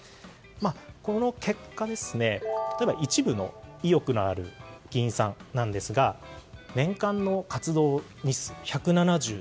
この結果、例えば一部の意欲ある議員さんなんですが年間の活動日数、１７２日。